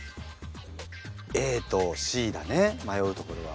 ＡとＣだね迷うところは。